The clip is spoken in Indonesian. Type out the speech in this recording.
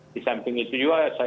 di samping itu juga